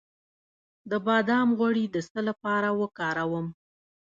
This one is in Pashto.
د بادام غوړي د څه لپاره وکاروم؟